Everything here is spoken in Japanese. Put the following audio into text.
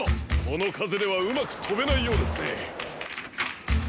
このかぜではうまくとべないようですね。